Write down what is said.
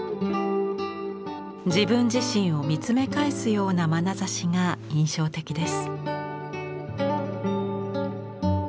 自分自身を見つめ返すようなまなざしが印象的です。